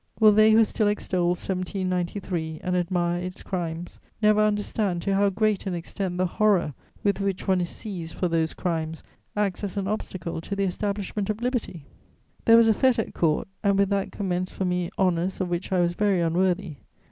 Will they who still extol 1793 and admire its crimes never understand to how great an extent the horror with which one is seized for those crimes acts as an obstacle to the establishment of liberty? [Sidenote: A fête at Court.] There was a fête at Court, and with that commenced for me honours of which I was very unworthy.